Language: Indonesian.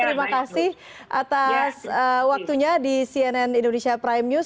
terima kasih atas waktunya di cnn indonesia prime news